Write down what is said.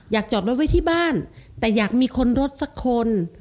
จอดรถไว้ที่บ้านแต่อยากมีคนรถสักคน